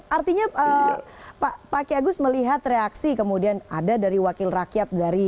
artinya pak kiagus melihat reaksi kemudian ada dari wakil rakyat dari